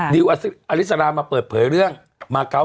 ดิวอลิสรามาเปิดเผยเรื่องมาเก้า๘๘๘